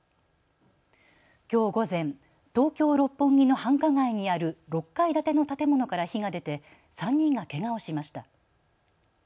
きょう午前、東京六本木の繁華街にある６階建ての建物から火が出て３人がけがをしました。